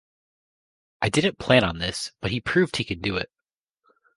I didn't plan on this, but he proved he can do it.